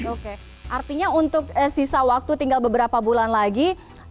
oke artinya untuk sisa waktu tinggal beberapa bulan lagi